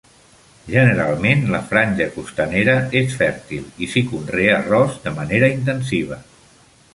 Generalment, la franja costanera és fèrtil i s'hi conrea arròs de manera intensiva.